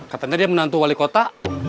katanya dia menantu wali kota